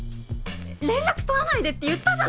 連絡取らないでって言ったじゃない！